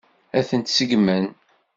Ad ten-seggmen?